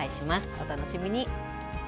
お楽しみに。